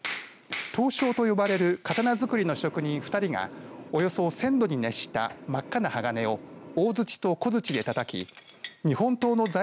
刀匠と呼ばれる刀作りの職人２人がおよそ１０００度に熱した真っ赤な鋼を大づちと小づちでたたき日本刀の